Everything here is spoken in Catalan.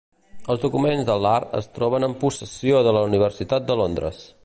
Els documents de Lahr es troben en possessió de la Universitat de Londres.